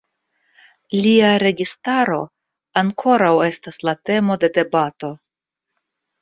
Lia registaro ankoraŭ estas la temo de debato.